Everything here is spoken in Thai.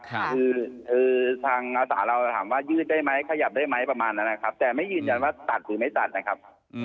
คือทางอาสาเราถามว่ายืดได้ไหมขยับได้ไหมประมาณนั้นนะครับแต่ไม่ยืนยันว่าตัดหรือไม่ตัดนะครับ